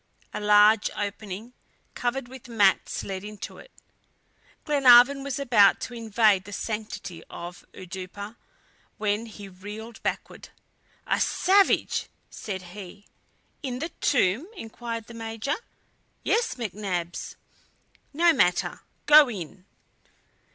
A large opening, covered with mats, led into it. Glenarvan was about to invade the sanctity of the "oudoupa," when he reeled backward. "A savage!" said he. "In the tomb?" inquired the Major. "Yes, McNabbs." "No matter; go in."